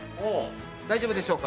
大丈夫でしょうか？